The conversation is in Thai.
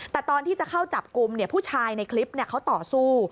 แต่ตอนที่จะเข้าจับกลุ่มผู้ชายในคลิปเขาต่อสู้